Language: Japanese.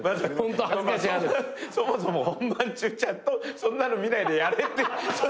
そもそも本番中ちゃんとそんなの見ないでやれって。